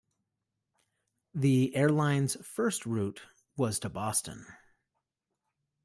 The airline's first route was to Boston.